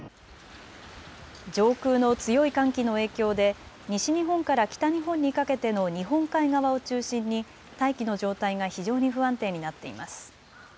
上空の強い寒気の影響で西日本から北日本にかけての日本海側を中心に大気の状態が非常に不安定になっています。